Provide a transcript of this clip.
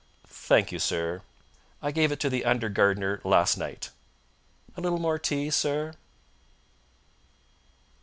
"Thank you, sir. I gave it to the under gardener last night. A little more tea, sir?"